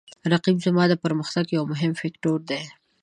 رقیب زما د پرمختګ یو مهم فکتور دی